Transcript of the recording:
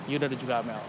yudha dan juga amel